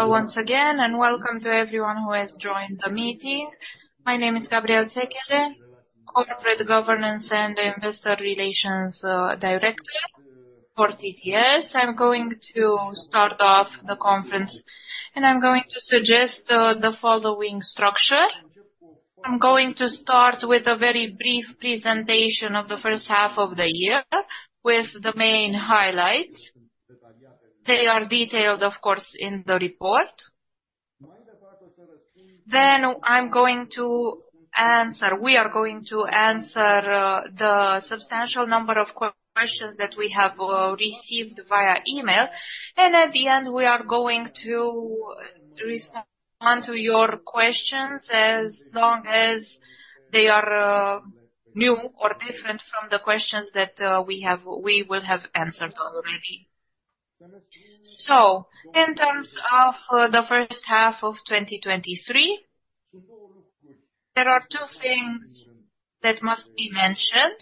Hello once again, and welcome to everyone who has joined the meeting. My name is Gabriela Seceleanu, Corporate Governance and Investor Relations Director for TTS. I'm going to start off the conference, and I'm going to suggest the following structure: I'm going to start with a very brief presentation of the first half of the year, with the main highlights. They are detailed, of course, in the report. Then I'm going to answer. We are going to answer the substantial number of questions that we have received via email, and at the end, we are going to respond to your questions, as long as they are new or different from the questions that we have. We will have answered already. So in terms of the first half of 2023, there are two things that must be mentioned.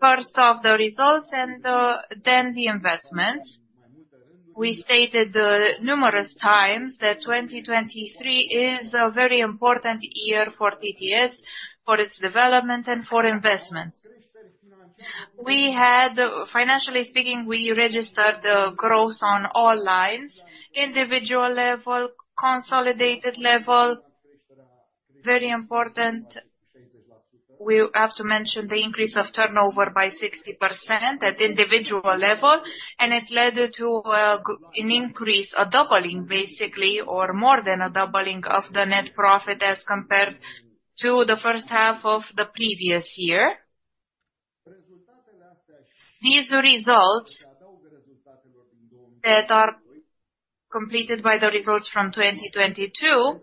First off, the results and then the investment. We stated numerous times that 2023 is a very important year for TTS, for its development and for investment. Financially speaking, we registered a growth on all lines, individual level, consolidated level. Very important, we have to mention the increase of turnover by 60% at individual level, and it led to an increase, a doubling, basically, or more than a doubling of the net profit as compared to the first half of the previous year. These results that are completed by the results from 2022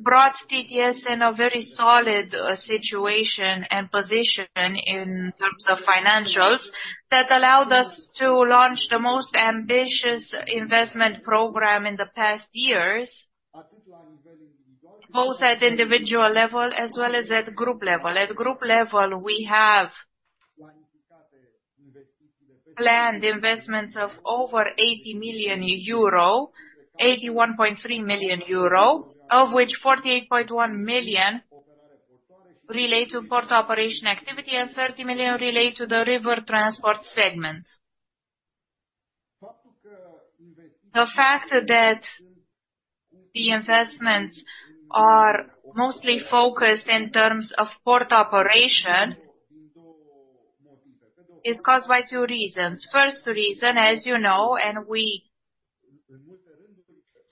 brought TTS in a very solid situation and position in terms of financials, that allowed us to launch the most ambitious investment program in the past years, both at individual level as well as at group level. At group level, we have planned investments of over 80 million euro, 81.3 million euro, of which 48.1 million relate to port operation activity and 30 million relate to the river transport segment. The fact that the investments are mostly focused in terms of port operation is caused by 2 reasons. First reason, as you know, and we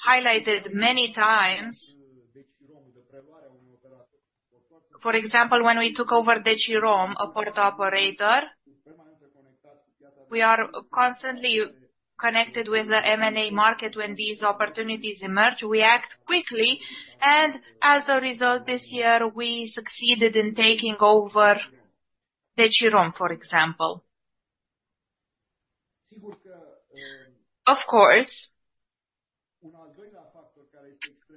highlighted many times, for example, when we took over Decirom, a port operator, we are constantly connected with the M&A market. When these opportunities emerge, we act quickly, and as a result, this year we succeeded in taking over Decirom, for example. Of course,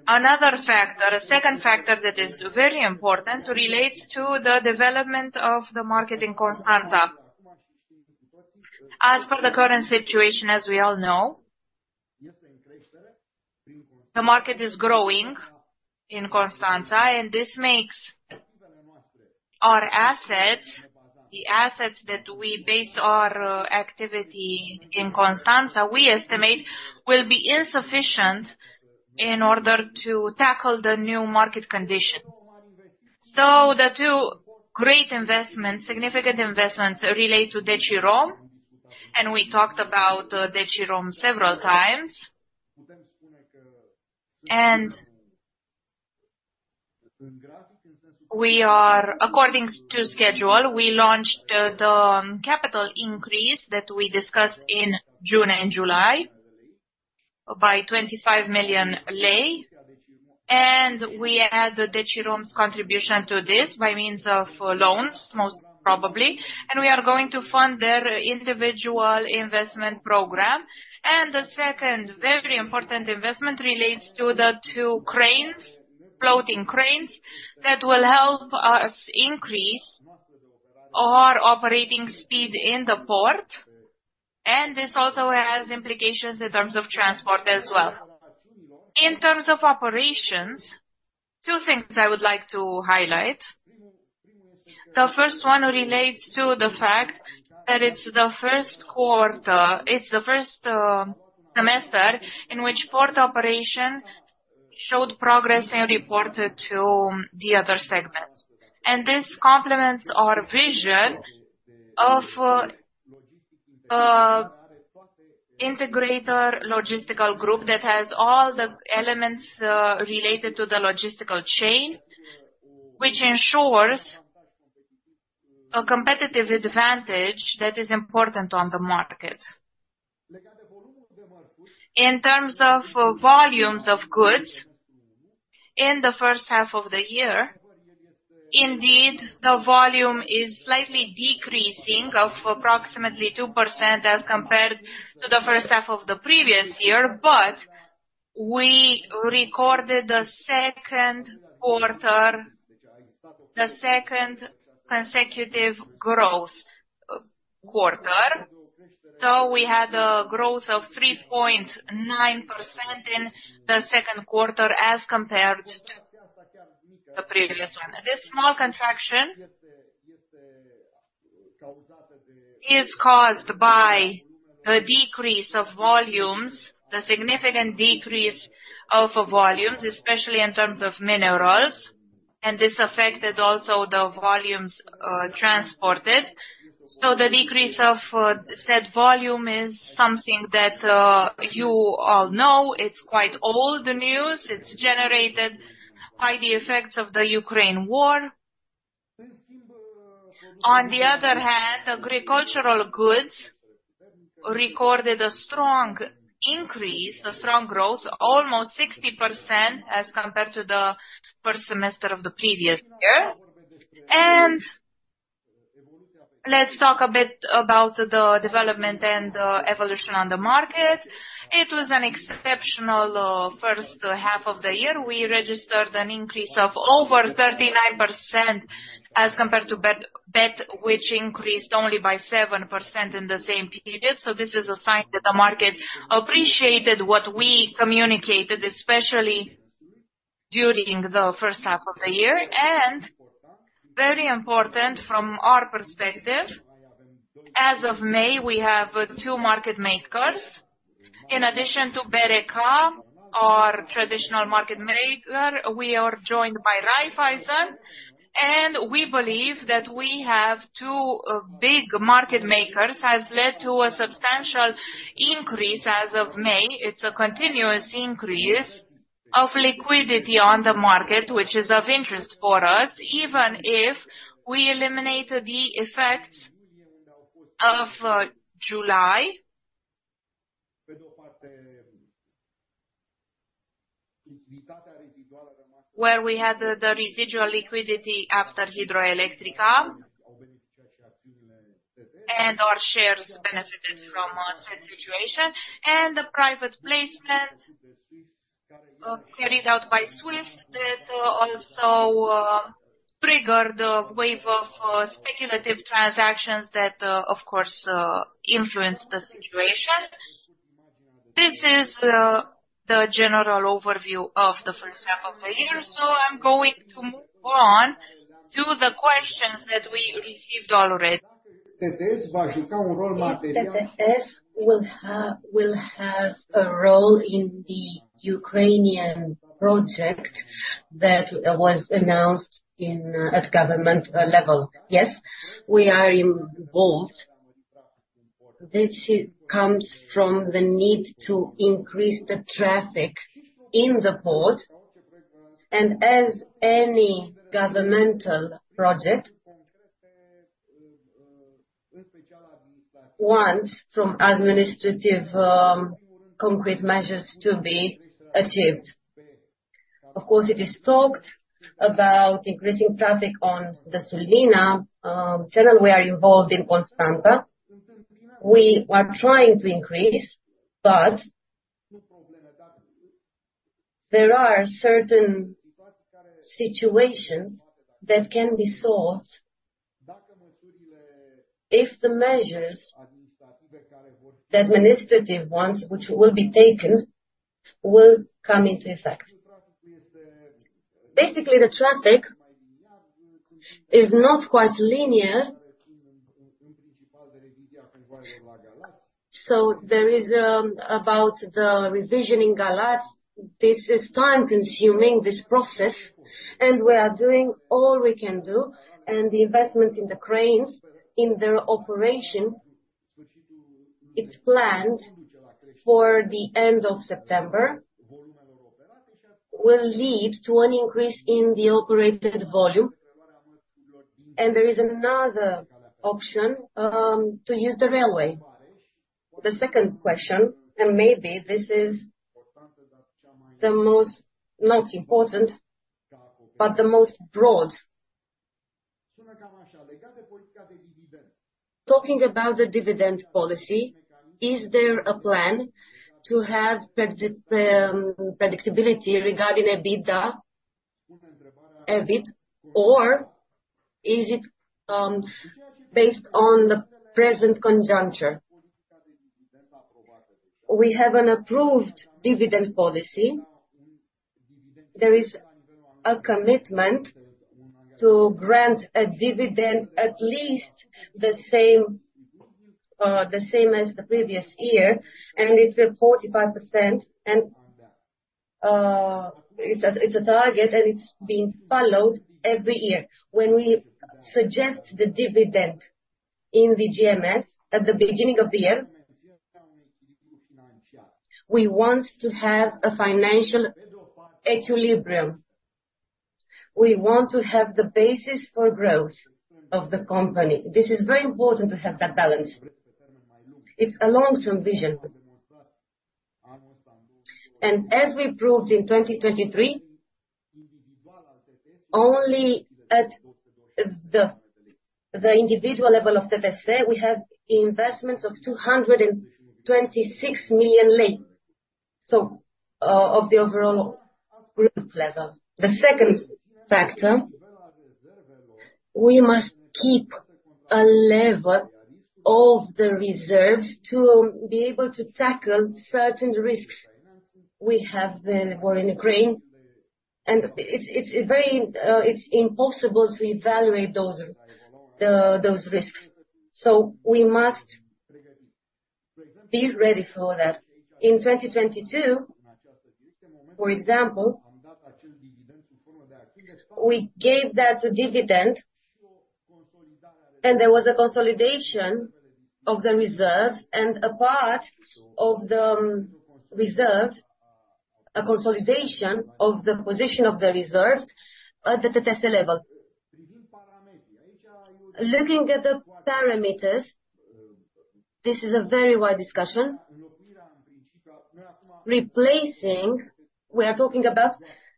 another factor, a second factor that is very important relates to the development of the market in Constanța. As for the current situation, as we all know, the market is growing in Constanța, and this makes our assets, the assets that we base our activity in Constanța, we estimate, will be insufficient in order to tackle the new market conditions. So the two great investments, significant investments relate to Decirom, and we talked about Decirom several times. And we are, according to schedule, we launched the capital increase that we discussed in June and July by RON 25 million, and we add Decirom's contribution to this by means of loans, most probably, and we are going to fund their individual investment program. And the second very important investment relates to the two cranes, floating cranes, that will help us increase our operating speed in the port, and this also has implications in terms of transport as well. In terms of operations, two things I would like to highlight. The first one relates to the fact that it's the first semester in which port operation showed progress and reported to the other segments. And this complements our vision of integrator logistical group that has all the elements related to the logistical chain, which ensures a competitive advantage that is important on the market. In terms of volumes of goods in the first half of the year, indeed, the volume is slightly decreasing of approximately 2% as compared to the first half of the previous year, but we recorded the second consecutive growth quarter. So we had a growth of 3.9% in the second quarter as compared to the previous one. This small contraction is caused by the decrease of volumes, the significant decrease of volumes, especially in terms of minerals, and this affected also the volumes transported. So the decrease of said volume is something that you all know, it's quite old news. It's generated by the effects of the Ukraine war. On the other hand, agricultural goods recorded a strong increase, a strong growth, almost 60%, as compared to the first semester of the previous year. And let's talk a bit about the development and evolution on the market. It was an exceptional first half of the year. We registered an increase of over 39% as compared to BET, BET, which increased only by 7% in the same period. So this is a sign that the market appreciated what we communicated, especially during the first half of the year, and very important from our perspective, as of May, we have two market makers. In addition to BRK, our traditional market maker, we are joined by Raiffeisen, and we believe that we have two, big market makers, has led to a substantial increase as of May. It's a continuous increase of liquidity on the market, which is of interest for us, even if we eliminate the effect of, July. Where we had the, the residual liquidity after Hidroelectrica, and our shares benefited from, said situation, and the private placements, carried out by Swiss, that, also, triggered a wave of, speculative transactions that, of course, influenced the situation. This is the general overview of the first half of the year, so I'm going to move on to the questions that we received already. If TTS will have, will have a role in the Ukrainian project that was announced in at government level? Yes, we are involved. This comes from the need to increase the traffic in the port and as any governmental project, wants from administrative concrete measures to be achieved. Of course, it is talked about increasing traffic on the Sulina Channel. We are involved in Constanța. We are trying to increase, but there are certain situations that can be solved if the measures, the administrative ones, which will be taken, will come into effect. Basically, the traffic is not quite linear, so there is about the revision in Galați. This is time-consuming, this process, and we are doing all we can do, and the investment in the cranes, in their operation, it's planned for the end of September, will lead to an increase in the operated volume, and there is another option to use the railway. The second question, and maybe this is the most, not important, but the most broad. Talking about the dividend policy, is there a plan to have predictability regarding EBITDA, EBIT, or is it based on the present conjuncture? We have an approved dividend policy. There is a commitment to grant a dividend at least the same, the same as the previous year, and it's at 45%, and it's a, it's a target, and it's being followed every year. When we suggest the dividend in the GMS at the beginning of the year, we want to have a financial equilibrium. We want to have the basis for growth of the company. This is very important to have that balance. It's a long-term vision. And as we proved in 2023, only at the individual level of TTS, we have investments of RON 226 million. So, of the overall group level. The second factor, we must keep a level of the reserves to be able to tackle certain risks we have, the war in Ukraine, and it's very impossible to evaluate those risks. So we must be ready for that. In 2022, for example, we gave that dividend, and there was a consolidation of the reserves, and a part of the reserves, a consolidation of the position of the reserves at the TTS level. Looking at the parameters, this is a very wide discussion. Precisely, we are talking about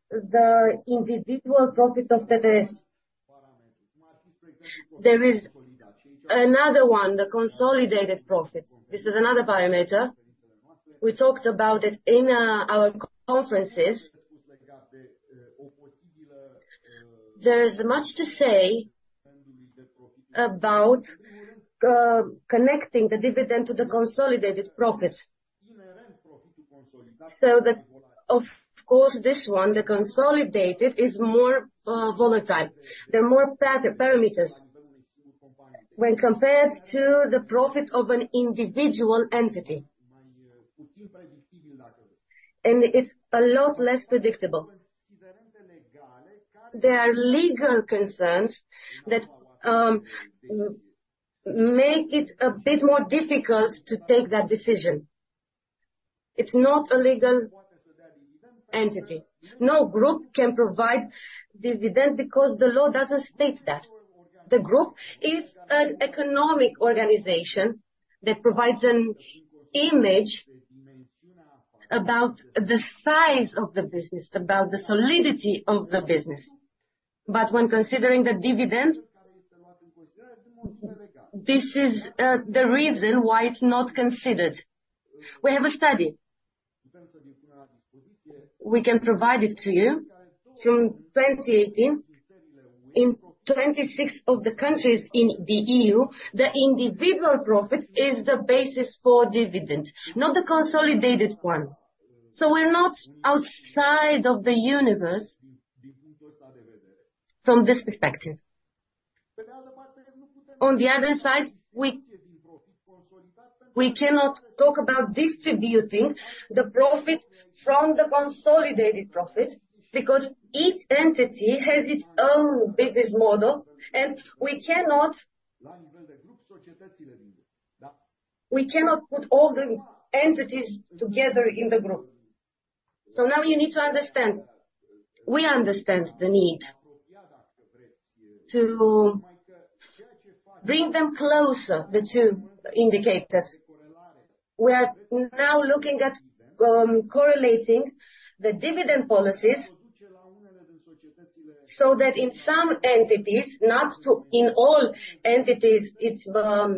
the individual profit of TTS. There is another one, the consolidated profit. This is another parameter. We talked about it in our conferences. There is much to say about connecting the dividend to the consolidated profit. So, of course, this one, the consolidated, is more volatile. There are more parameters when compared to the profit of an individual entity, and it's a lot less predictable. There are legal concerns that make it a bit more difficult to take that decision. It's not a legal entity. No group can provide dividend because the law doesn't state that. The group is an economic organization that provides an image about the size of the business, about the solidity of the business. But when considering the dividend, this is the reason why it's not considered. We have a study. We can provide it to you. From 2018, in 26 of the countries in the EU, the individual profit is the basis for dividends, not the consolidated one. So we're not outside of the universe from this perspective. On the other side, we cannot talk about distributing the profit from the consolidated profit, because each entity has its own business model, and we cannot put all the entities together in the group. So now you need to understand, we understand the need to bring them closer, the two indicators. We are now looking at correlating the dividend policies, so that in some entities, not in all entities, it's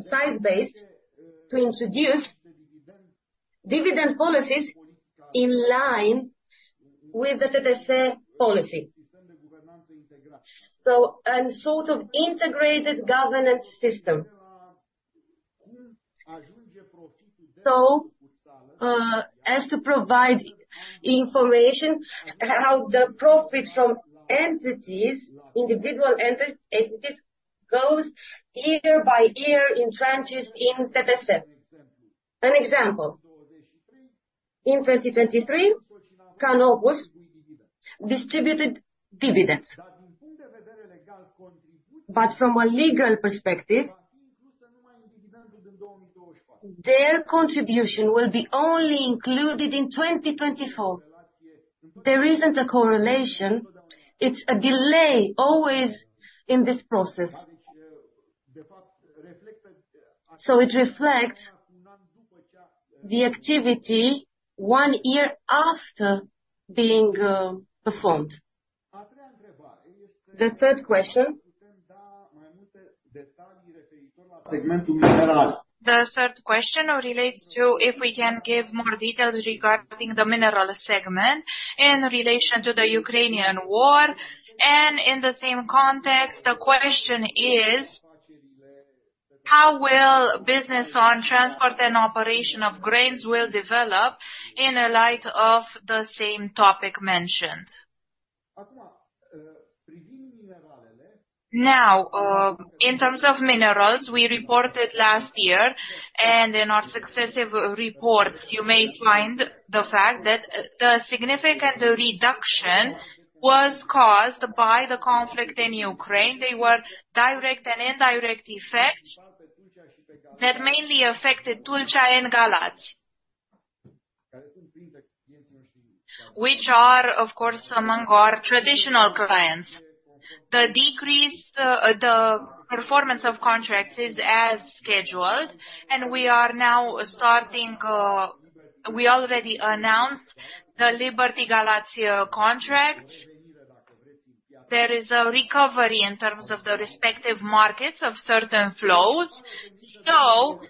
size-based, to introduce dividend policies in line with the TTS policy. So a sort of integrated governance system. So, as to provide information, how the profits from entities, individual entities, goes year by year in tranches in TTS. An example, in 2023, Canopus distributed dividends. But from a legal perspective, their contribution will be only included in 2024. There isn't a correlation, it's a delay, always, in this process. So it reflects the activity one year after being performed. The third question? The third question relates to if we can give more details regarding the mineral segment in relation to the Ukrainian war, and in the same context, the question is: How will business on transport and operation of grains will develop in the light of the same topic mentioned? Now, in terms of minerals, we reported last year, and in our successive reports, you may find the fact that, the significant reduction was caused by the conflict in Ukraine. They were direct and indirect effects that mainly affected Tulcea and Galați. Which are, of course, among our traditional clients. The decrease, the performance of contracts is as scheduled, and we are now starting. We already announced the Liberty Galați contract. There is a recovery in terms of the respective markets of certain flows. So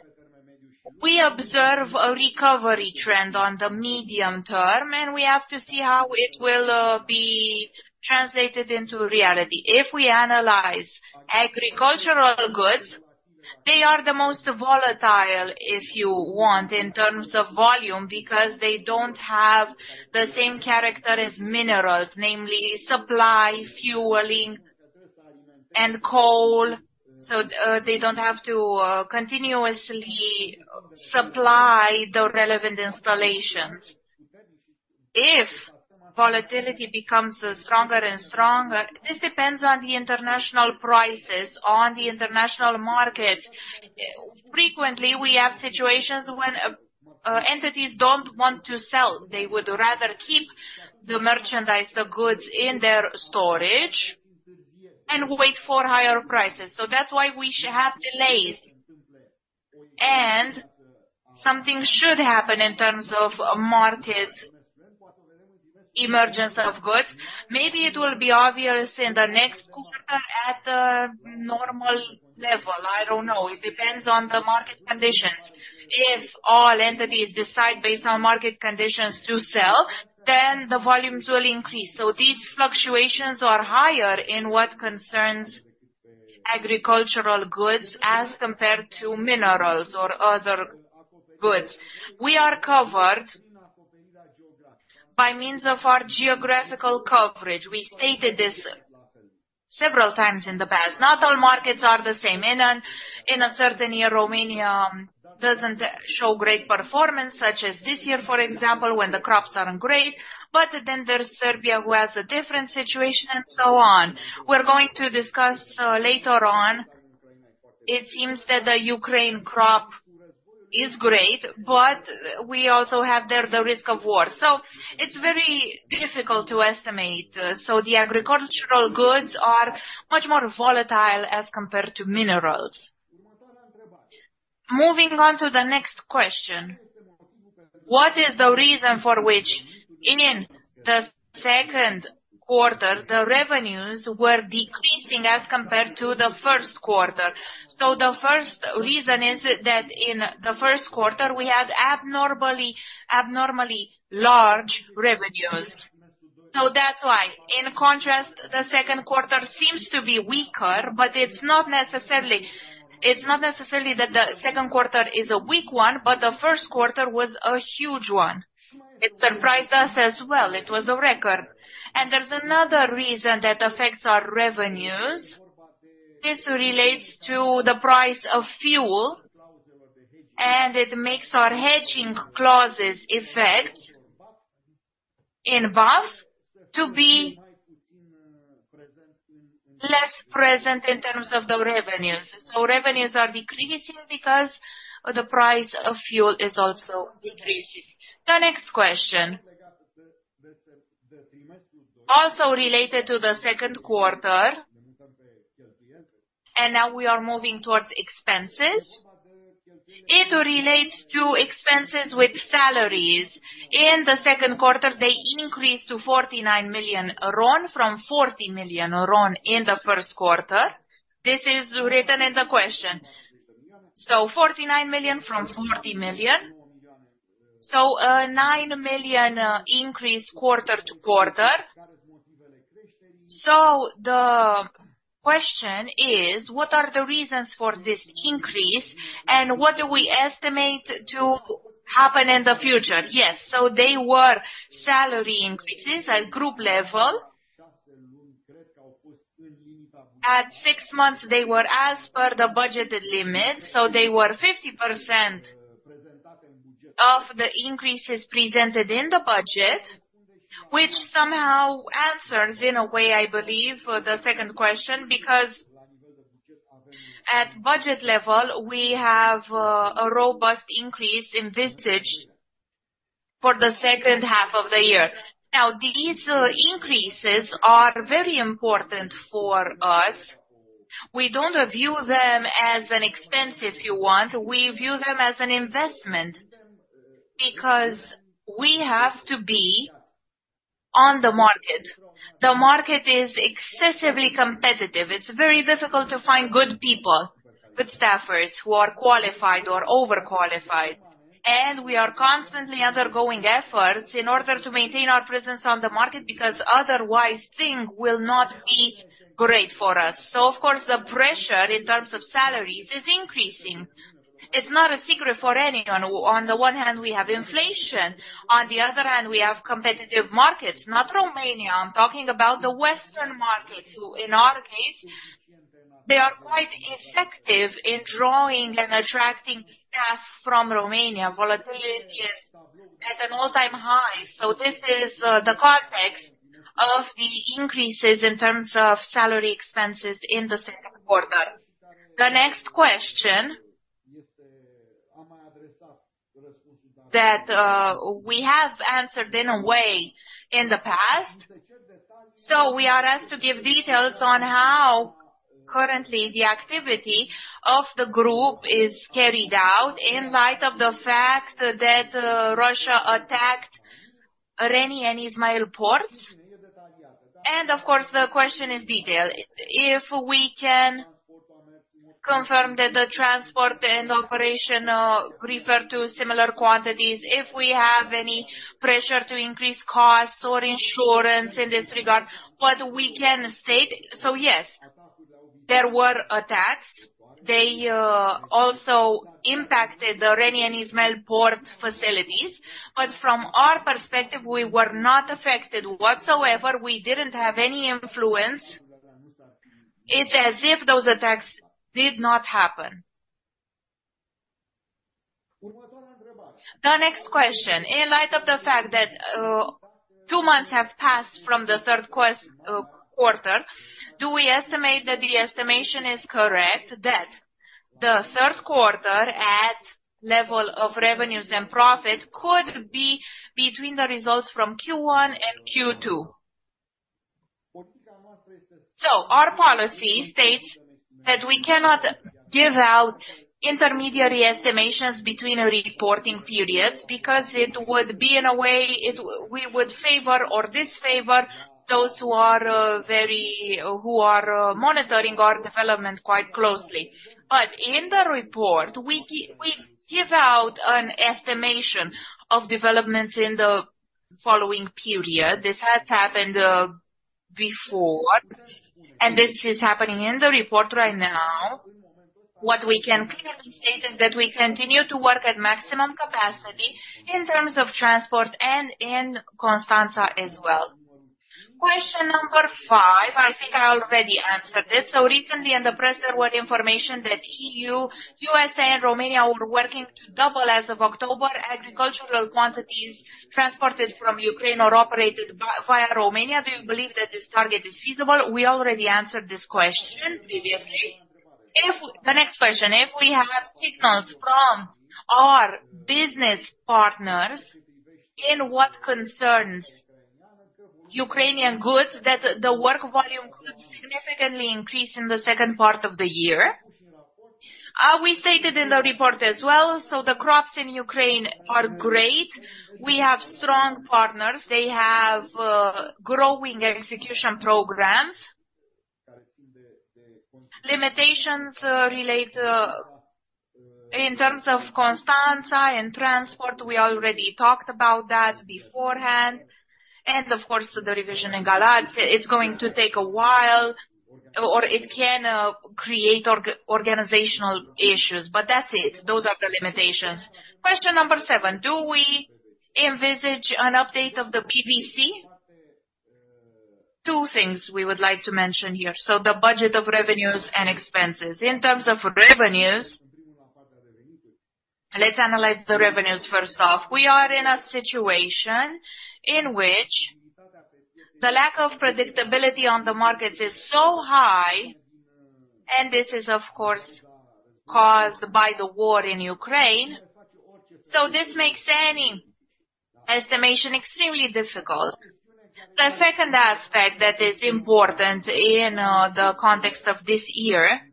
we observe a recovery trend on the medium term, and we have to see how it will be translated into reality. If we analyze agricultural goods, they are the most volatile, if you want, in terms of volume, because they don't have the same character as minerals, namely supply, fueling, and coal, so they don't have to continuously supply the relevant installations. If volatility becomes stronger and stronger, this depends on the international prices on the international market. Frequently, we have situations when entities don't want to sell. They would rather keep the merchandise, the goods in their storage and wait for higher prices. So that's why we should have delays, and something should happen in terms of a market emergence of goods. Maybe it will be obvious in the next quarter at the normal level. I don't know. It depends on the market conditions. If all entities decide based on market conditions to sell, then the volumes will increase. So these fluctuations are higher in what concerns agricultural goods as compared to minerals or other goods. We are covered by means of our geographical coverage. We stated this several times in the past. Not all markets are the same. In a certain year, Romania doesn't show great performance, such as this year, for example, when the crops are great, but then there's Serbia, who has a different situation and so on. We're going to discuss later on. It seems that the Ukraine crop is great, but we also have there the risk of war, so it's very difficult to estimate. So the agricultural goods are much more volatile as compared to minerals. Moving on to the next question: What is the reason for which in the second quarter, the revenues were decreasing as compared to the first quarter? So the first reason is that in the first quarter, we had abnormally, abnormally large revenues. So that's why. In contrast, the second quarter seems to be weaker, but it's not necessarily... It's not necessarily that the second quarter is a weak one, but the first quarter was a huge one. It surprised us as well. It was a record. And there's another reason that affects our revenues. This relates to the price of fuel, and it makes our hedging clauses effective in buffer to be less present in terms of the revenues. So revenues are decreasing because the price of fuel is also decreasing. The next question, also related to the second quarter, and now we are moving towards expenses. It relates to expenses with salaries. In the second quarter, they increased to RON 49 million from RON 40 million in the first quarter. This is written in the question. So RON 49 million from RON 40 million. So, 9 million increase quarter to quarter. So the question is: What are the reasons for this increase, and what do we estimate to happen in the future? Yes, so they were salary increases at group level. At six months, they were as per the budgeted limit, so they were 50% of the increases presented in the budget, which somehow answers in a way, I believe, the second question, because at budget level, we have a robust increase in salaries for the second half of the year. Now, these increases are very important for us. We don't view them as an expense, if you want. We view them as an investment because we have to be on the market. The market is excessively competitive. It's very difficult to find good people, good staffers who are qualified or overqualified, and we are constantly undergoing efforts in order to maintain our presence on the market, because otherwise, things will not be great for us. So of course, the pressure in terms of salaries is increasing. It's not a secret for anyone. On the one hand, we have inflation, on the other hand, we have competitive markets, not Romania. I'm talking about the Western markets, who in our case, they are quite effective in drawing and attracting staff from Romania. Volatility is at an all-time high, so this is, the context of the increases in terms of salary expenses in the second quarter. The next question, that, we have answered in a way in the past. So we are asked to give details on how currently, the activity of the group is carried out in light of the fact that, Russia attacked Reni and Izmail port. And of course, the question in detail, if we can confirm that the transport and operation, refer to similar quantities, if we have any pressure to increase costs or insurance in this regard, what we can state? So yes, there were attacks. They, also impacted the Reni and Izmail port facilities, but from our perspective, we were not affected whatsoever. We didn't have any influence. It's as if those attacks did not happen. The next question: In light of the fact that two months have passed from the third quarter, do we estimate that the estimation is correct, that the third quarter at level of revenues and profit could be between the results from Q1 and Q2? So our policy states that we cannot give out intermediary estimations between our reporting periods, because it would be in a way we would favor or disfavor those who are monitoring our development quite closely. But in the report, we give out an estimation of developments in the following period. This has happened before, and this is happening in the report right now. What we can clearly state is that we continue to work at maximum capacity in terms of transport and in Constanța as well. Question number five, I think I already answered this. So recently in the press, there were information that EU, USA and Romania were working to double as of October, agricultural quantities transported from Ukraine or operated by via Romania. Do you believe that this target is feasible? We already answered this question previously. If the next question, if we have signals from our business partners, in what concerns Ukrainian goods, that the work volume could significantly increase in the second part of the year? We stated in the report as well, so the crops in Ukraine are great. We have strong partners. They have growing execution programs. Limitations relate in terms of Constanța and transport, we already talked about that beforehand, and of course, the revision in Galați, it's going to take a while, or it can create organizational issues, but that's it. Those are the limitations. Question number 7: Do we envisage an update of the BVC? Two things we would like to mention here. So the budget of revenues and expenses. In terms of revenues, let's analyze the revenues first off. We are in a situation in which the lack of predictability on the markets is so high, and this is, of course, caused by the war in Ukraine, so this makes any estimation extremely difficult. The second aspect that is important in the context of this year, is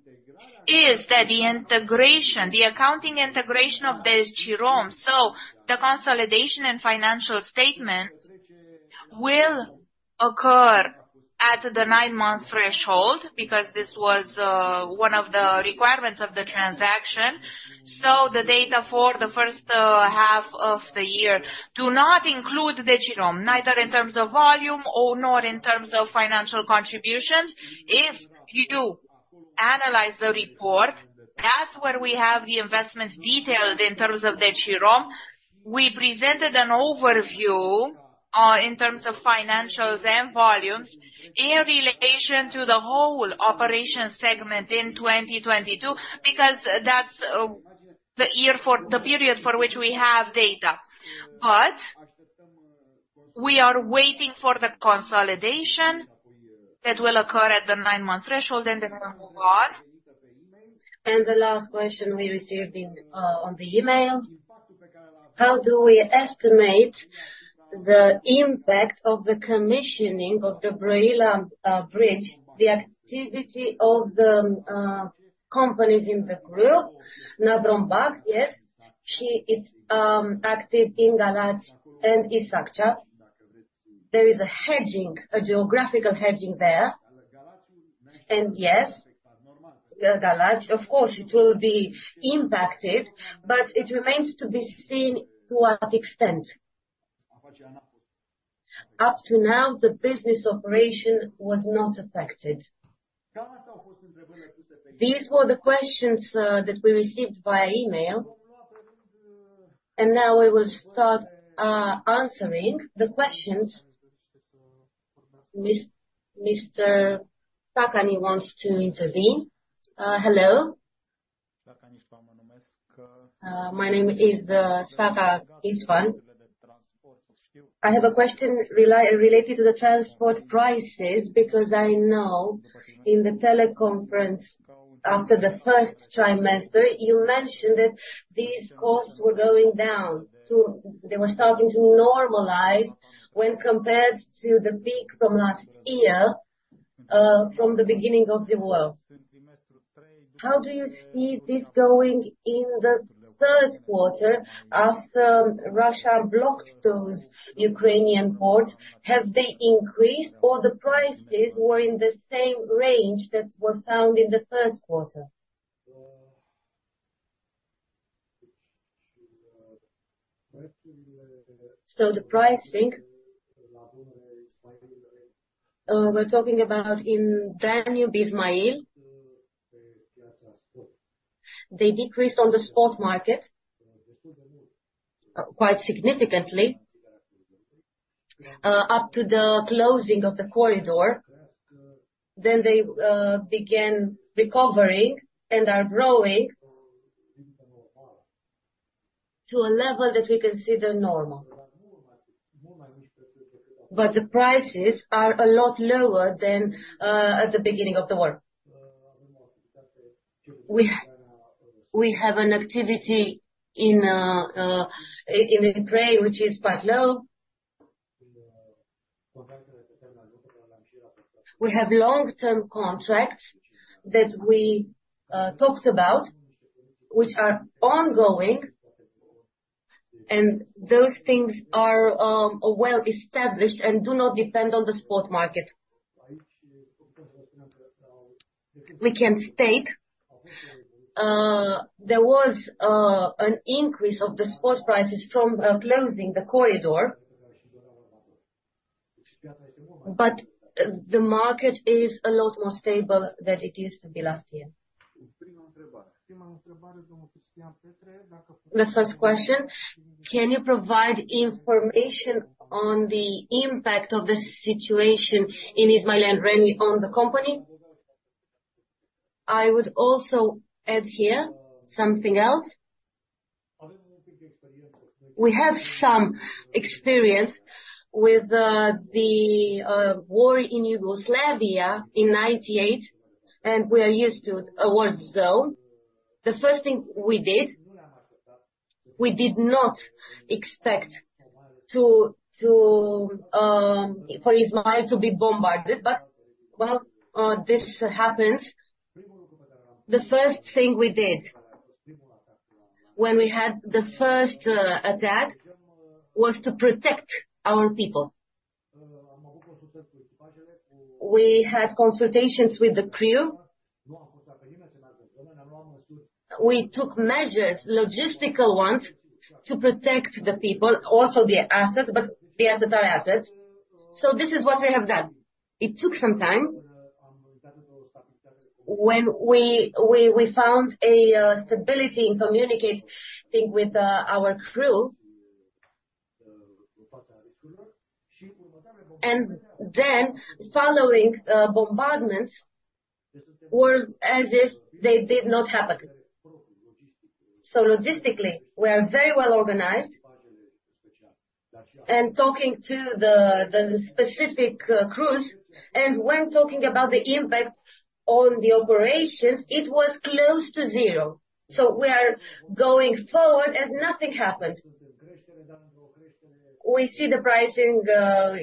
that the integration- the accounting integration of Decirom, so the consolidation and financial statement will occur at the 9-month threshold, because this was one of the requirements of the transaction. So the data for the first half of the year do not include Decirom, neither in terms of volume or nor in terms of financial contributions. If you do analyze the report, that's where we have the investments detailed in terms of Decirom. We presented an overview in terms of financials and volumes, in relation to the whole operation segment in 2022, because that's the year for the period for which we have data. But we are waiting for the consolidation that will occur at the nine-month threshold, and then we'll move on. The last question we received on the email: How do we estimate the impact of the commissioning of the Brăila bridge, the activity of the companies in the group? Navrom Bac, yes, she is active in Galați and Isaccea. There is a hedging, a geographical hedging there. And yes, Galați, of course, it will be impacted, but it remains to be seen to what extent. Up to now, the business operation was not affected. These were the questions that we received via email, and now we will start answering the questions. Mr. Szarka wants to intervene. Hello. My name is Szarka István. I have a question related to the transport prices, because I know in the teleconference after the first quarter, you mentioned that these costs were going down, they were starting to normalize when compared to the peak from last year, from the beginning of the war. How do you see this going in the third quarter after Russia blocked those Ukrainian ports? Have they increased or the prices were in the same range that were found in the first quarter? So the pricing, we're talking about in Danube, Izmail. They decreased on the spot market, quite significantly, up to the closing of the corridor. Then they began recovering and are growing to a level that we consider normal. But the prices are a lot lower than at the beginning of the war. We have an activity in Ukraine, which is quite low. We have long-term contracts that we talked about, which are ongoing, and those things are well established and do not depend on the spot market. We can state there was an increase of the spot prices from closing the corridor, but the market is a lot more stable than it used to be last year. The first question: Can you provide information on the impact of this situation in Izmail and Reni on the company? I would also add here something else. We have some experience with the war in Yugoslavia in 1998, and we are used to a war zone. The first thing we did, we did not expect for Izmail to be bombarded. But, well, this happens. The first thing we did when we had the first attack, was to protect our people. We had consultations with the crew. We took measures, logistical ones, to protect the people, also the assets, but the assets are assets. So this is what we have done. It took some time. When we found a stability in communicating with our crew, and then following bombardments, were as if they did not happen. So logistically, we are very well organized and talking to the specific crews, and when talking about the impact on the operations, it was close to zero. So we are going forward as nothing happened. We see the pricing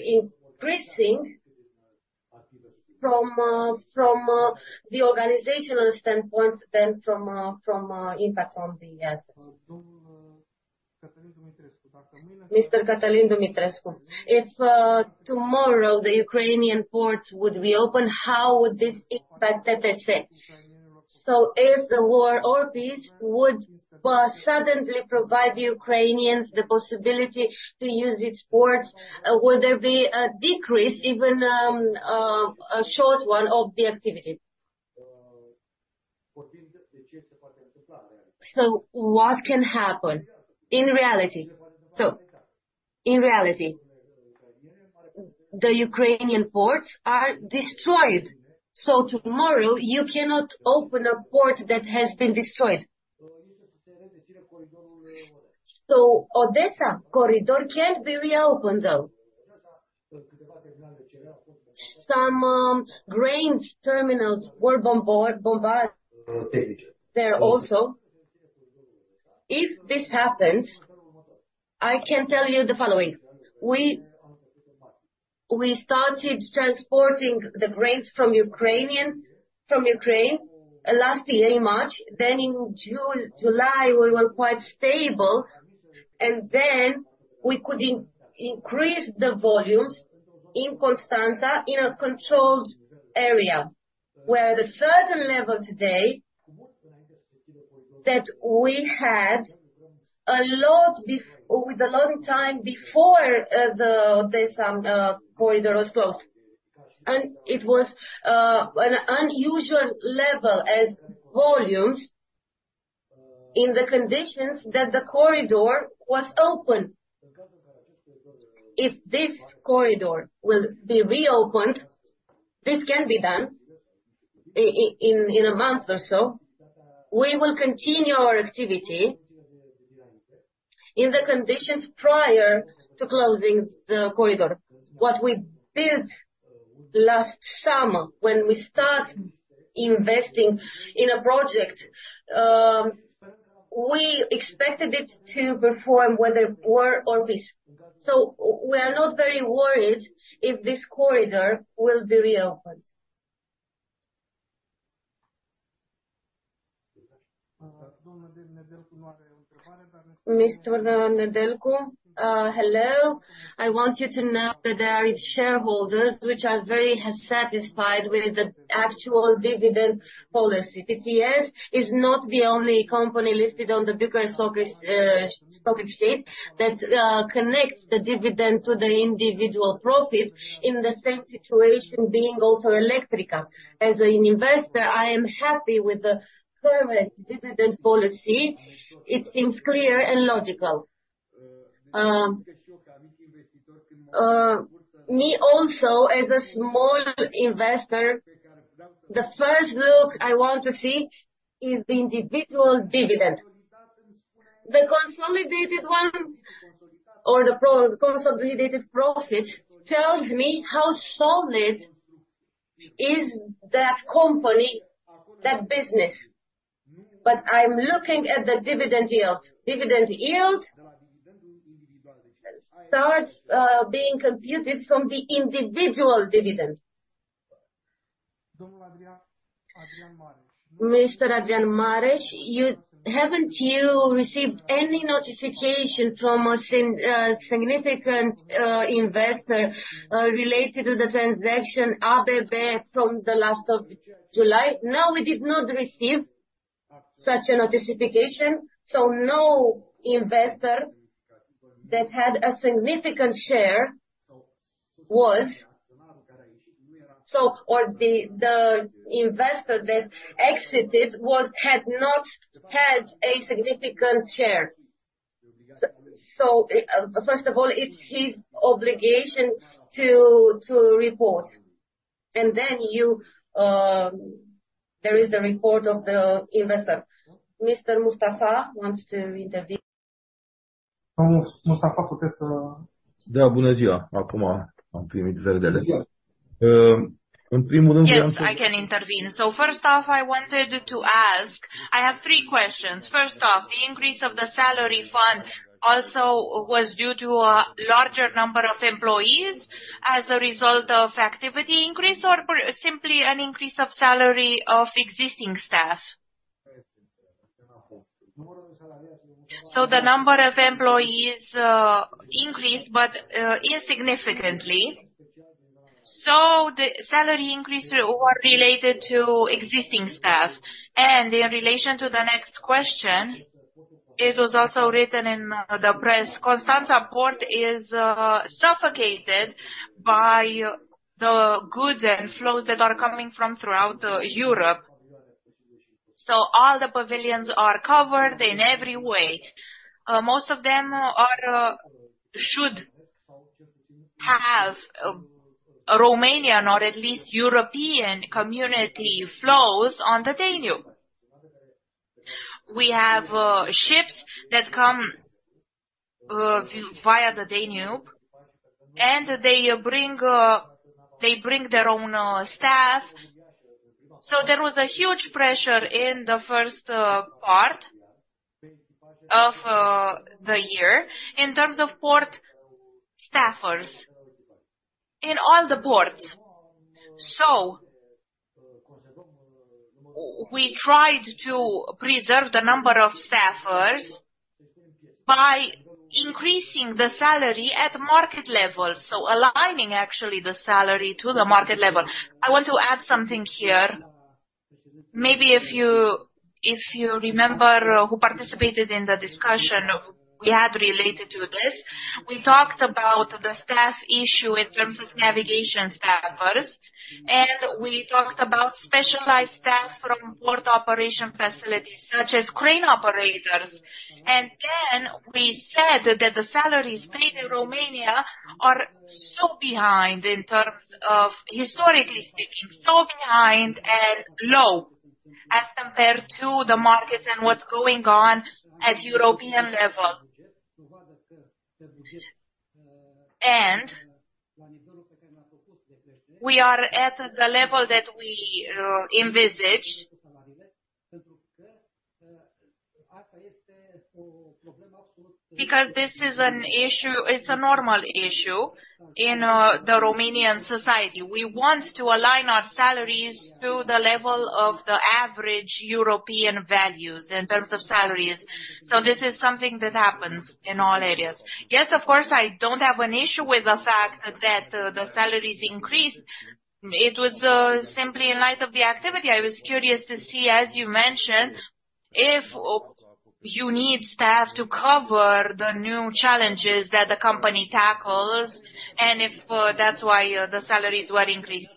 increasing from the organizational standpoint than from impact on the assets. Mr. Cătălin Dumitrescu, if tomorrow the Ukrainian ports would be open, how would this impact TTS? So if the war or peace would suddenly provide the Ukrainians the possibility to use its ports, would there be a decrease, even a short one, of the activity? So what can happen in reality? So in reality, the Ukrainian ports are destroyed. So tomorrow you cannot open a port that has been destroyed. So Odesa corridor can be reopened, though. Some grain terminals were bombarded there also. If this happens, I can tell you the following: We started transporting the grains from Ukraine last year in March. Then in June, July, we were quite stable, and then we could increase the volumes in Constanța, in a controlled area, where the certain level today, that we had a lot with a long time before, the Odesa corridor was closed. And it was an unusual level as volumes in the conditions that the corridor was open. If this corridor will be reopened, this can be done in a month or so. We will continue our activity in the conditions prior to closing the corridor. What we built last summer, when we start investing in a project, we expected it to perform whether war or peace. So we are not very worried if this corridor will be reopened. Mr. Nedelcu, hello. I want you to know that there is shareholders which are very satisfied with the actual dividend policy. TTS is not the only company listed on the Bucharest Stock Exchange that connects the dividend to the individual profit, in the same situation being also Electrica. As a investor, I am happy with the current dividend policy. It seems clear and logical. Me also, as a small investor, the first look I want to see is the individual dividend. The consolidated one or the consolidated profit tells me how solid is that company, that business. But I'm looking at the dividend yield. Dividend yield starts being computed from the individual dividend. Mr. Adrian Mareș, haven't you received any notification from a significant investor related to the transaction ABB from the last of July? No, we did not receive such a notification, so no investor that had a significant share was or the investor that exited was had not had a significant share. So first of all, it's his obligation to report, and then you, there is the report of the investor. Mr. Mustafa wants to intervene. Yes, I can intervene. So first off, I wanted to ask. I have three questions. First off, the increase of the salary fund also was due to a larger number of employees as a result of activity increase, or simply an increase of salary of existing staff? So the number of employees increased, but insignificantly. So the salary increase were related to existing staff. And in relation to the next question, it was also written in the press. Constanța Port is suffocated by the goods and flows that are coming from throughout Europe. So all the pavilions are covered in every way. Most of them are should have a Romanian or at least European community flows on the Danube. We have ships that come via the Danube, and they bring they bring their own staff. So there was a huge pressure in the first part of the year, in terms of port staffers in all the ports. So we tried to preserve the number of staffers by increasing the salary at market level, so aligning actually the salary to the market level. I want to add something here. Maybe if you remember who participated in the discussion we had related to this, we talked about the staff issue in terms of navigation staffers, and we talked about specialized staff from port operation facilities, such as crane operators. Then we said that the salaries paid in Romania are so behind in terms of historically speaking, so behind and low as compared to the markets and what's going on at European level. We are at the level that we envisaged. Because this is an issue, it's a normal issue in the Romanian society. We want to align our salaries to the level of the average European values in terms of salaries. This is something that happens in all areas. Yes, of course, I don't have an issue with the fact that the salaries increased. It was simply in light of the activity. I was curious to see, as you mentioned, if you need staff to cover the new challenges that the company tackles and if that's why the salaries were increased.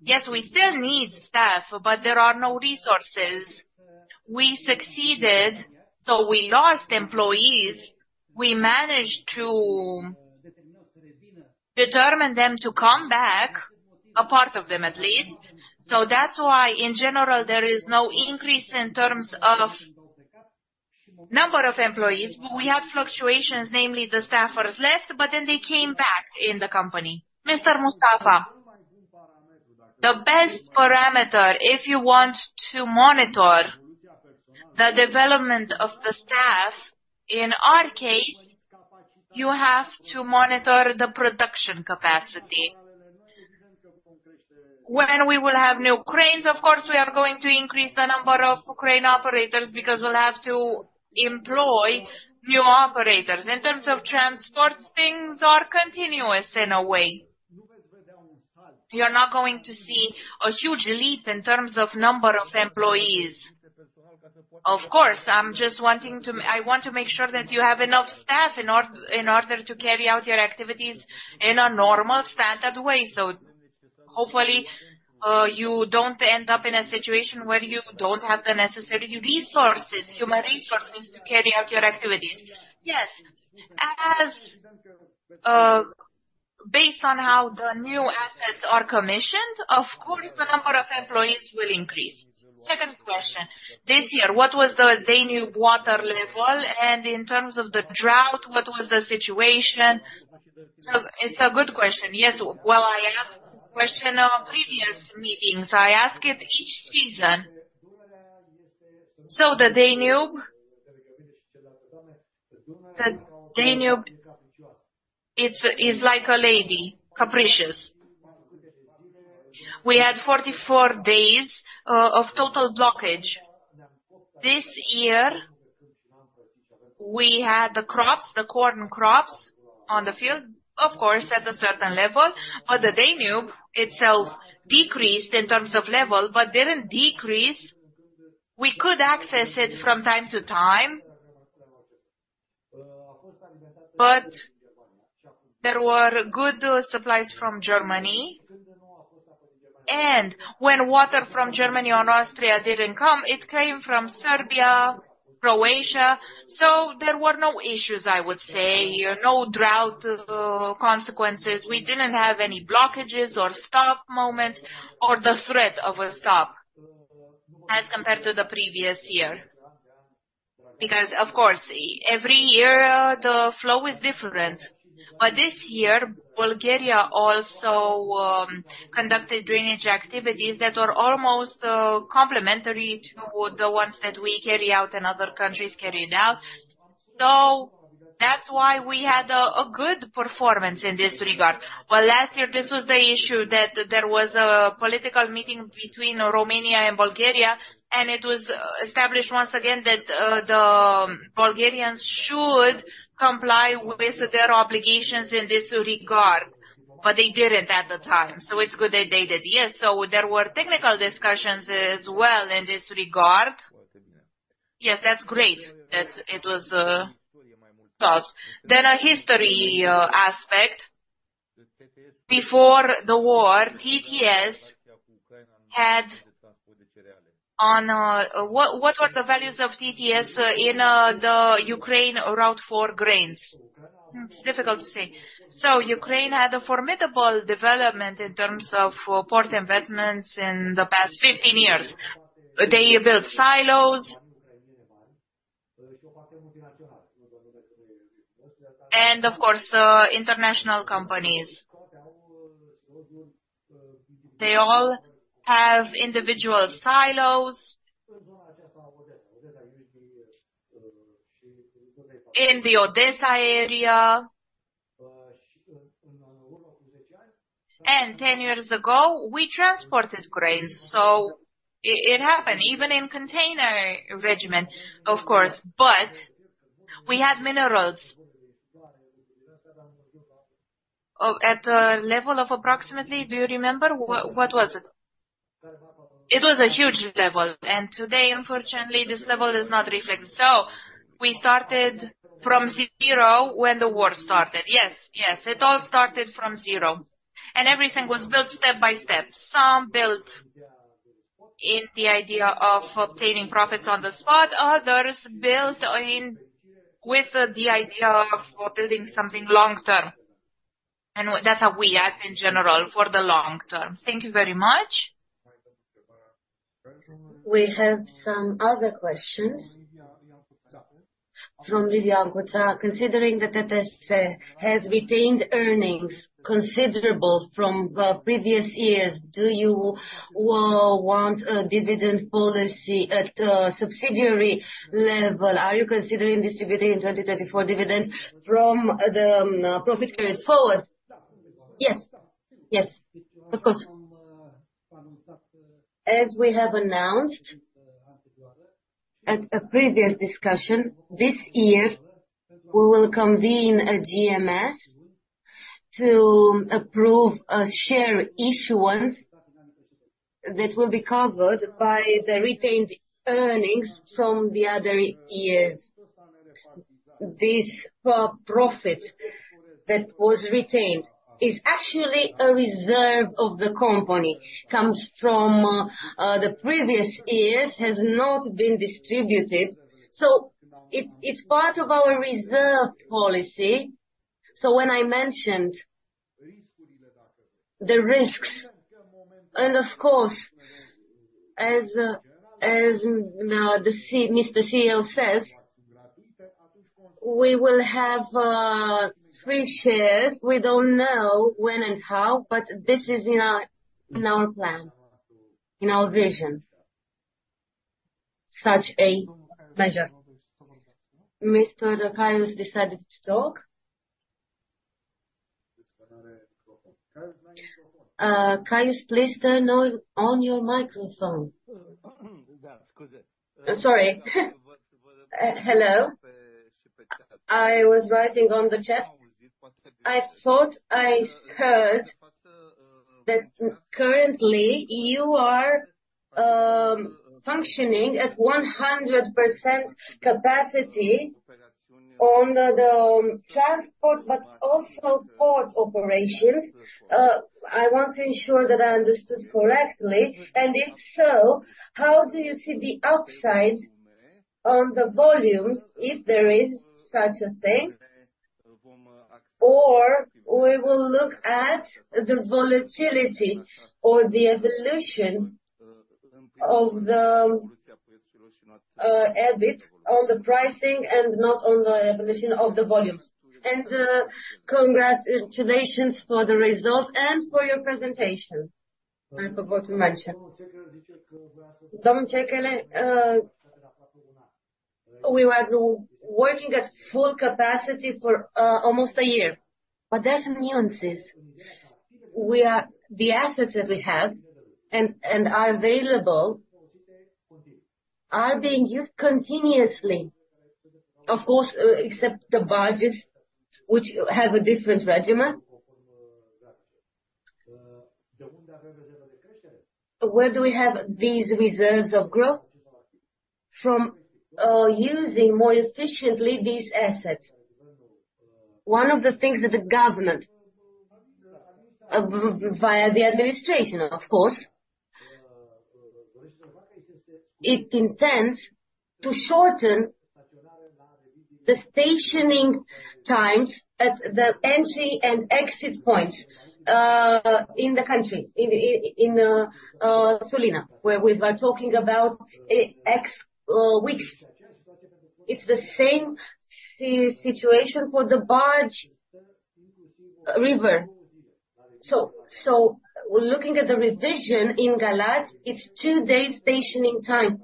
Yes, we still need staff, but there are no resources. We succeeded, so we lost employees. We managed to determine them to come back, a part of them, at least. So that's why, in general, there is no increase in terms of number of employees. We had fluctuations, namely, the staffers left, but then they came back in the company. Mr. Mustafa?... The best parameter, if you want to monitor the development of the staff cadre, you have to monitor the production capacity. When we will have new cranes, of course, we are going to increase the number of crane operators because we'll have to employ new operators. In terms of transport, things are continuous in a way. You're not going to see a huge leap in terms of number of employees. Of course, I'm just wanting to—I want to make sure that you have enough staff in order to carry out your activities in a normal, standard way. So hopefully, you don't end up in a situation where you don't have the necessary resources, human resources, to carry out your activities. Yes. As based on how the new assets are commissioned, of course, the number of employees will increase. Second question: this year, what was the Danube water level? And in terms of the drought, what was the situation? So it's a good question. Yes, well, I asked this question on previous meetings. I ask it each season. So the Danube is like a lady, capricious. We had 44 days of total blockage. This year, we had the crops, the corn crops on the field, of course, at a certain level, but the Danube itself decreased in terms of level, but didn't decrease. We could access it from time to time, but there were good supplies from Germany, and when water from Germany or Austria didn't come, it came from Serbia, Croatia. So there were no issues, I would say, no drought consequences. We didn't have any blockages or stop moments or the threat of a stop as compared to the previous year. Because, of course, every year the flow is different. But this year, Bulgaria also conducted drainage activities that were almost complementary to the ones that we carry out and other countries carried out. So that's why we had a good performance in this regard. But last year, this was the issue, that there was a political meeting between Romania and Bulgaria, and it was established once again that, the Bulgarians should comply with their obligations in this regard, but they didn't at the time, so it's good that they did. Yes, so there were technical discussions as well in this regard. Yes, that's great that it was solved. Then a history aspect. Before the war, TTS had on... What, what were the values of TTS, in, the Ukraine route for grains? It's difficult to say. So Ukraine had a formidable development in terms of port investments in the past 15 years. They built silos. And of course, international companies. They all have individual silos in the Odesa area. Ten years ago, we transported grains, so it, it happened even in container regime, of course, but we had minerals. At a level of approximately. Do you remember? What, what was it? It was a huge level, and today, unfortunately, this level is not reflected. So we started from zero when the war started. Yes, yes, it all started from zero, and everything was built step by step. Some built in the idea of obtaining profits on the spot, others built, I mean, with the idea of building something long-term, and that's how we act in general, for the long term. Thank you very much. We have some other questions from Liviu Ancuta. Considering that TTS has retained earnings considerable from previous years, do you want a dividend policy at a subsidiary level? Are you considering distributing in 2034 dividends from the profit carried forward? Yes. Yes, of course. As we have announced at a previous discussion, this year, we will convene a GMS to approve a share issuance that will be covered by the retained earnings from the other years. This profit that was retained is actually a reserve of the company, comes from the previous years, has not been distributed, so it's part of our reserve policy. So when I mentioned the risks, and of course, as the CEO, Mr. CEO said- We will have free shares. We don't know when and how, but this is in our, in our plan, in our vision, such a measure. Mr. Caius decided to talk. Caius, please turn on your microphone. Sorry. Hello. I was writing on the chat. I thought I heard that currently, you are functioning at 100% capacity on the transport, but also port operations. I want to ensure that I understood correctly, and if so, how do you see the upside on the volumes, if there is such a thing? Or we will look at the volatility or the evolution of the EBIT on the pricing and not on the evolution of the volumes. Congratulations for the results and for your presentation, I forgot to mention. Domnule, we were working at full capacity for almost a year, but there are some nuances. We are. The assets that we have and, and are available, are being used continuously, of course, except the barges, which have a different regimen. Where do we have these reserves of growth? From using more efficiently these assets. One of the things that the government via the administration, of course, it intends to shorten the stationing times at the entry and exit points in the country, in Sulina, where we are talking about X weeks. It's the same situation for the barge river. So looking at the revision in Galați, it's two days stationing time.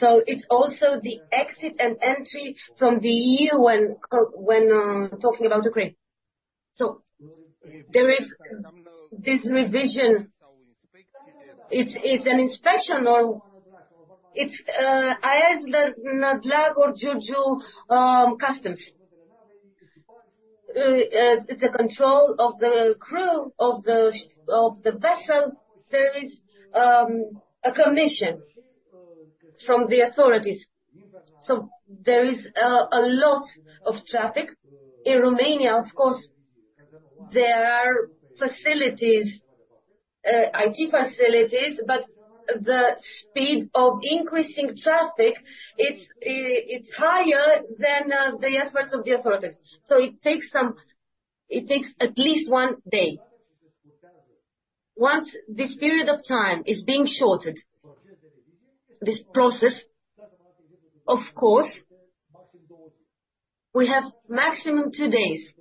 So it's also the exit and entry from the EU, when talking about Ukraine. So there is this revision. It's an inspection. It's the Nădlac or Giurgiu customs. It's a control of the crew of the ship of the vessel. There is a commission from the authorities. So there is a lot of traffic. In Romania, of course, there are facilities, IT facilities, but the speed of increasing traffic, it's higher than the efforts of the authorities. So it takes some. It takes at least one day. Once this period of time is being shortened, this process, of course, we have maximum two days,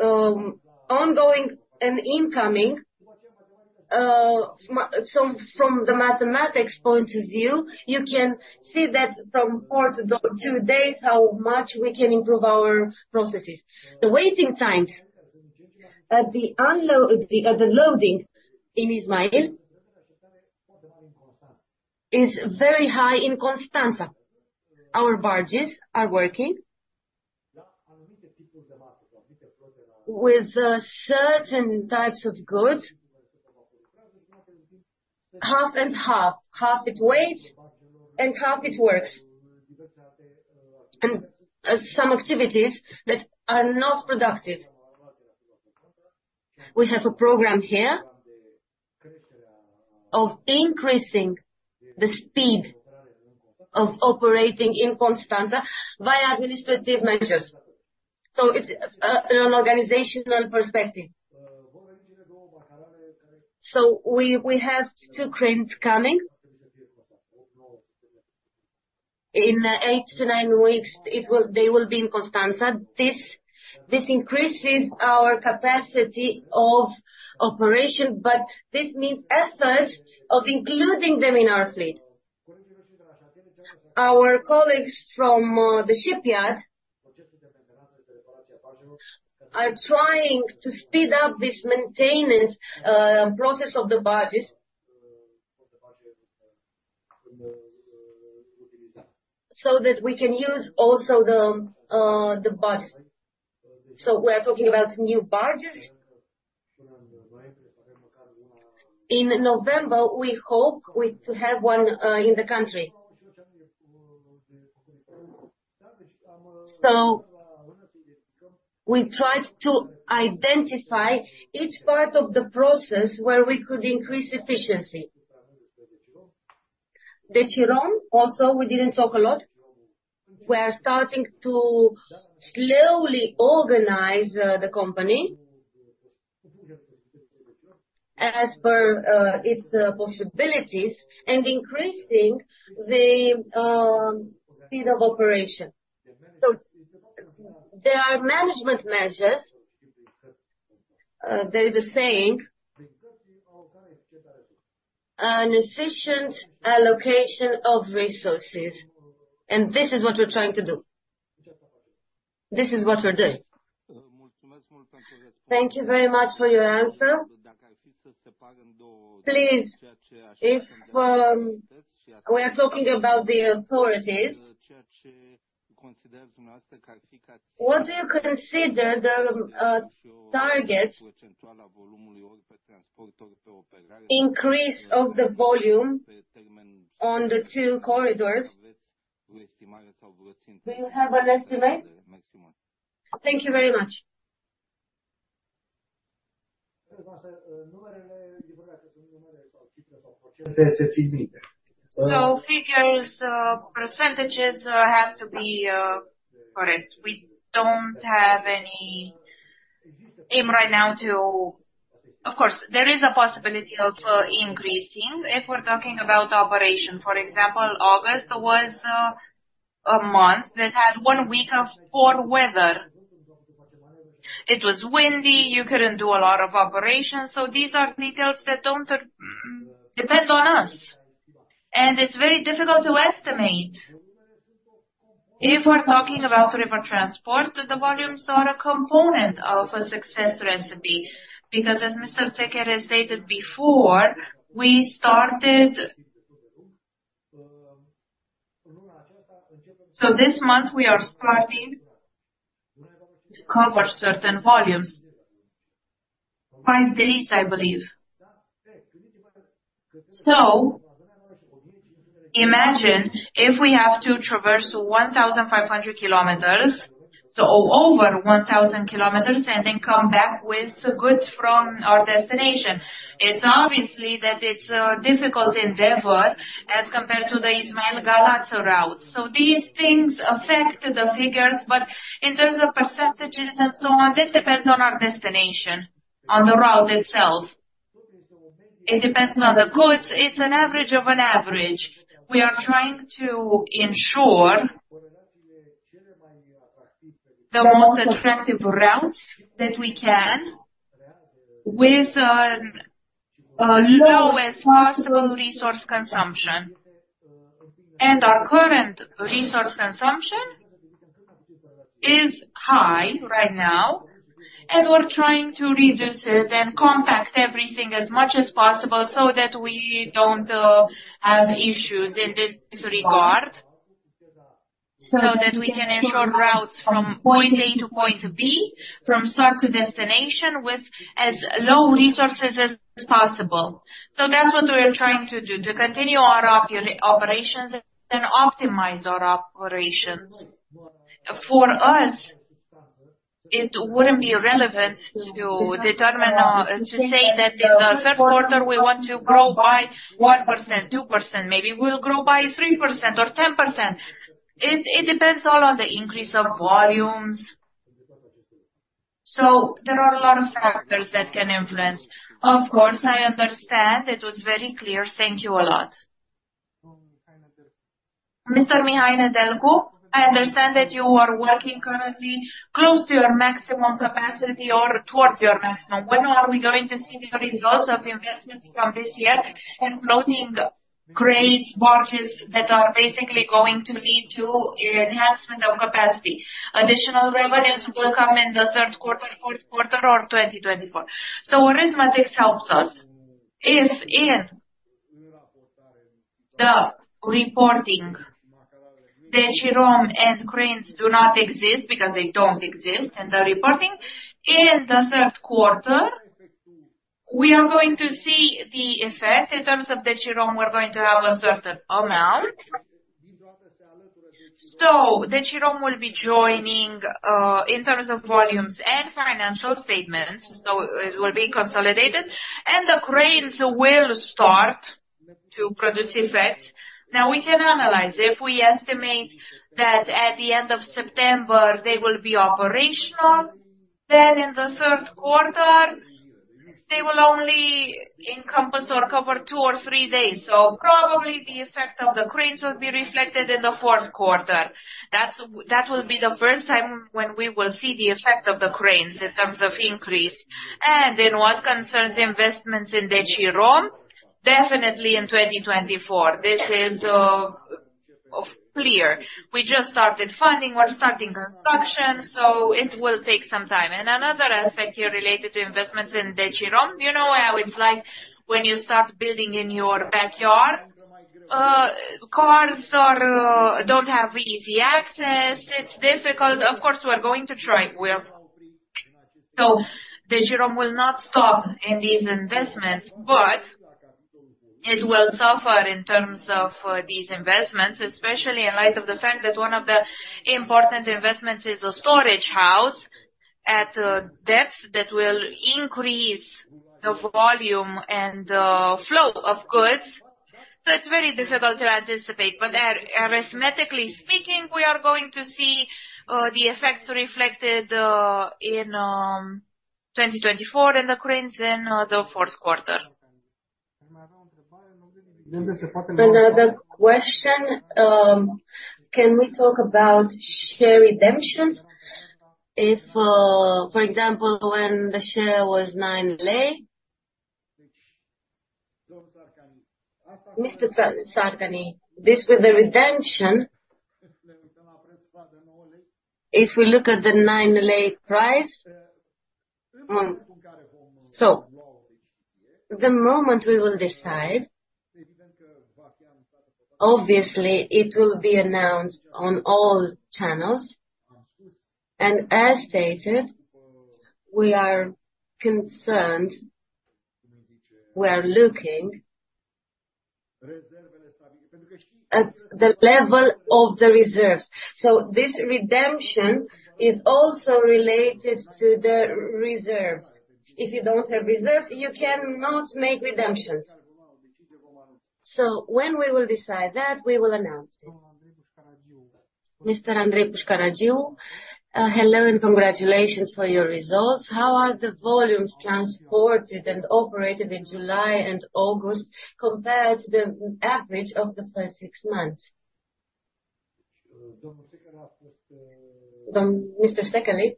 ongoing and incoming. So from the mathematics point of view, you can see that from four to two days, how much we can improve our processes. The waiting times at the unload, at the loading in Izmail, is very high in Constanța. Our barges are working with certain types of goods, half and half. Half it waits and half it works. Some activities that are not productive. We have a program here of increasing the speed of operating in Constanța via administrative measures. So it's an organizational perspective. So we have 2 cranes coming. In 8-9 weeks, they will be in Constanța. This increases our capacity of operation, but this means efforts of including them in our fleet. Our colleagues from the shipyard are trying to speed up this maintenance process of the barges. So that we can use also the barges. So we are talking about new barges. In November, we hope we to have one in the country. So we tried to identify each part of the process where we could increase efficiency. The Decirom, also, we didn't talk a lot. We are starting to slowly organize, the company. as per its possibilities and increasing the speed of operation. So there are management measures, there is a saying, an efficient allocation of resources, and this is what we're trying to do. This is what we're doing. Thank you very much for your answer. Please, if we are talking about the authorities, what do you consider the target increase of the volume on the two corridors? Do you have an estimate? Thank you very much. So figures, percentages, have to be correct. We don't have any aim right now to-- Of course, there is a possibility of increasing if we're talking about operation. For example, August was a month that had one week of poor weather. It was windy, you couldn't do a lot of operations, so these are details that don't depend on us, and it's very difficult to estimate. If we're talking about river transport, the volumes are a component of a success recipe, because as Mr. Teke has stated before, we started... So this month we are starting to cover certain volumes. Five days, I believe. So imagine if we have to traverse 1,500 kilometers, to over 1,000 kilometers, and then come back with the goods from our destination. It's obviously that it's a difficult endeavor as compared to the Izmail Galați route. So these things affect the figures, but in terms of percentages and so on, this depends on our destination, on the route itself. It depends on the goods. It's an average of an average. We are trying to ensure the most attractive routes that we can, with as low as possible resource consumption. Our current resource consumption is high right now, and we're trying to reduce it and compact everything as much as possible so that we don't have issues in this regard. So that we can ensure routes from point A to point B, from start to destination, with as low resources as possible. So that's what we are trying to do, to continue our operations and optimize our operations. For us, it wouldn't be relevant to determine to say that in the third quarter, we want to grow by 1%, 2%, maybe we'll grow by 3% or 10%. It depends all on the increase of volumes. So there are a lot of factors that can influence. Of course, I understand. It was very clear. Thank you a lot. Mr. Mihai Nedelcu, I understand that you are working currently close to your maximum capacity or towards your maximum. When are we going to see the results of the investments from this year and loading grades, barges, that are basically going to lead to enhancement of capacity? Additional revenues will come in the third quarter, fourth quarter or 2024. So arithmetic helps us. If in the reporting, Decirom and cranes do not exist, because they don't exist in the reporting, in the third quarter, we are going to see the effect. In terms of Decirom, we're going to have a certain amount. So Decirom will be joining in terms of volumes and financial statements, so it will be consolidated, and the cranes will start to produce effects. Now, we can analyze. If we estimate that at the end of September, they will be operational, then in the third quarter, they will only encompass or cover two or three days. So probably the effect of the cranes will be reflected in the fourth quarter. That will be the first time when we will see the effect of the cranes in terms of increase. And in what concerns investments in Decirom, definitely in 2024. This is clear. We just started funding, we're starting construction, so it will take some time. And another aspect here related to investments in Decirom, you know how it's like when you start building in your backyard? Cars are, don't have easy access. It's difficult. Of course, we're going to try. So Decirom will not stop in these investments, but it will suffer in terms of these investments, especially in light of the fact that one of the important investments is a storage house at depths that will increase the volume and flow of goods. So it's very difficult to anticipate, but arithmetically speaking, we are going to see the effects reflected in 2024 in accordance in the fourth quarter. Another question, can we talk about share redemption? If, for example, when the share was 9 RON. Mr. Szarka, this with the redemption, if we look at the 9 RON price, so the moment we will decide, obviously it will be announced on all channels, and as stated, we are concerned, we are looking at the level of the reserves. So this redemption is also related to the reserves. If you don't have reserves, you cannot make redemptions. So when we will decide that, we will announce it. Mr. Andrei Pușcașu, hello and congratulations for your results. How are the volumes transported and operated in July and August compared to the average of the first six months? Mr. Ștefănuț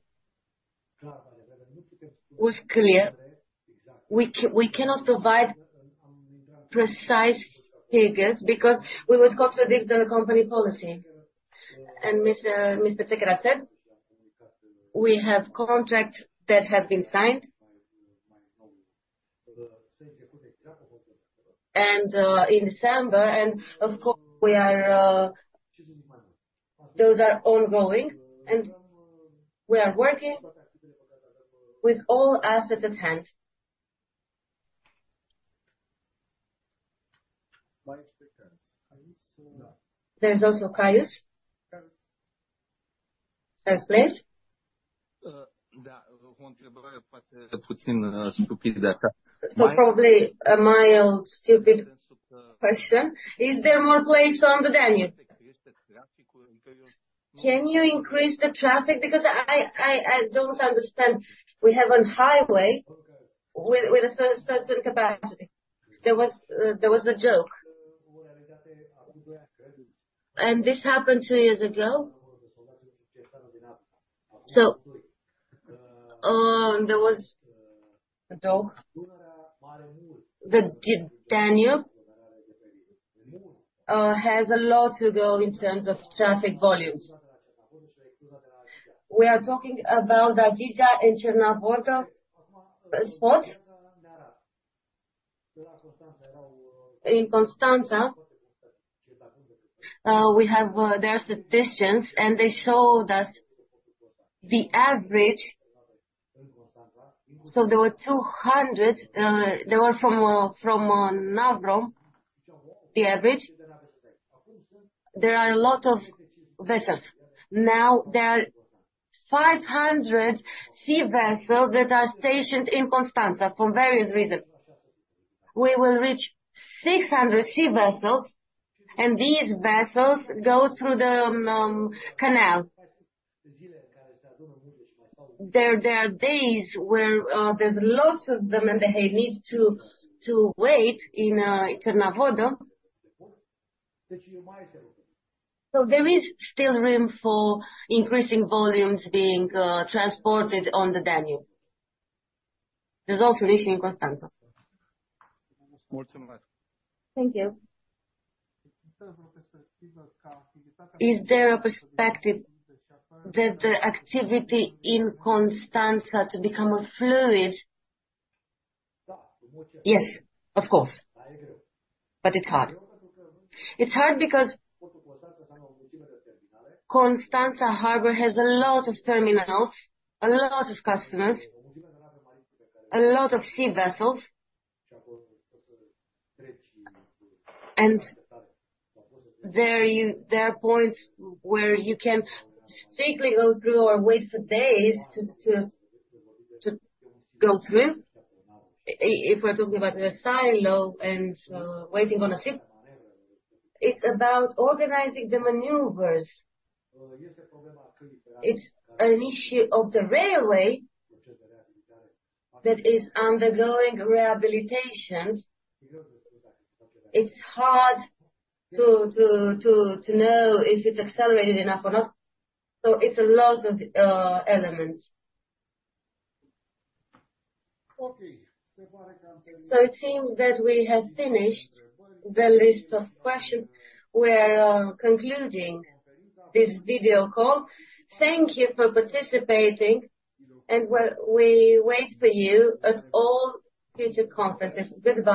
was clear. We cannot provide precise figures because we would contradict the company policy. And Mr. Ștefănuț said, we have contracts that have been signed. And in December, and of course, we are. Those are ongoing, and we are working with all assets at hand. There's also Caius. Caius Leich? So probably a mild, stupid question. Is there more place on the Danube? Can you increase the traffic? Because I don't understand. We have a highway with a certain capacity. There was a joke. And this happened two years ago? So there was a joke. The Danube has a lot to go in terms of traffic volumes. We are talking about the Agigea and Cernavodă spots. In Constanța, we have their statistics, and they show that the average. So there were 200, they were from Navrom, the average. There are a lot of vessels. Now, there are 500 sea vessels that are stationed in Constanța for various reasons. We will reach 600 sea vessels, and these vessels go through the canal. There, there are days where there's lots of them, and they need to wait in Cernavodă. So there is still room for increasing volumes being transported on the Danube. There's also this in Constanța. Thank you. Is there a perspective that the activity in Constanța to become a fluid? Yes, of course, but it's hard. It's hard because Constanța Harbor has a lot of terminals, a lot of customers, a lot of sea vessels. And there, there are points where you can strictly go through or wait for days to go through. If we're talking about the silo and waiting on a ship, it's about organizing the maneuvers. It's an issue of the railway that is undergoing rehabilitation. It's hard to know if it's accelerated enough or not, so it's a lot of elements. So it seems that we have finished the list of questions. We're concluding this video call. Thank you for participating, and we wait for you at all future conferences. Goodbye.